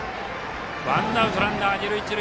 ワンアウトランナー、二塁一塁。